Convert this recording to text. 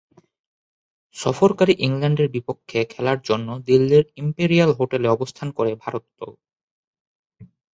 সফরকারী ইংল্যান্ডের বিপক্ষে খেলার জন্য দিল্লির ইম্পেরিয়াল হোটেলে অবস্থান করে ভারত দল।